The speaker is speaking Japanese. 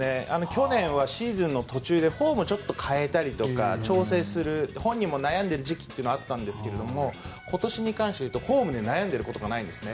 去年はシーズンの途中でフォームをちょっと変えたりとか調整する本人も悩んでる時期というのがあったんですが今年に関していうとフォームで悩んでいることがないんですね。